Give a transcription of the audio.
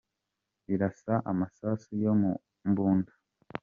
Irasa amasasu yo mu mbunda;